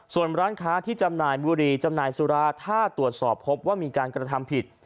ส่วนร้านค้าที่จำหน่ายบุรีจำหน่ายสุราถ้าตรวจสอบพบว่ามีการกระทำผิด